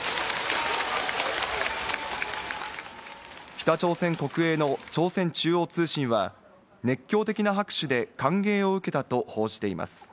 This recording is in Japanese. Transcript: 北朝鮮国営の朝鮮中央通信は熱狂的な拍手で歓迎を受けたと報じています。